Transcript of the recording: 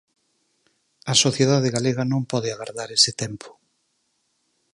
A sociedade galega non pode agardar ese tempo.